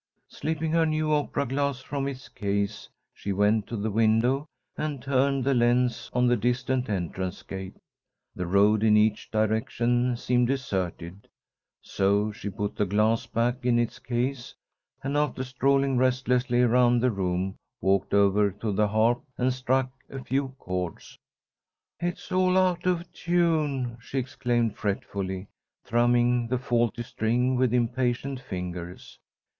Slipping her new opera glass from its case, she went to the window and turned the lens on the distant entrance gate. The road in each direction seemed deserted. So she put the glass back in its case, and, after strolling restlessly around the room, walked over to the harp and struck a few chords. "It's all out of tune!" she exclaimed, fretfully, thrumming the faulty string with impatient fingers.